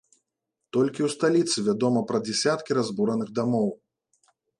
Толькі ў сталіцы вядома пра дзясяткі разбураных дамоў.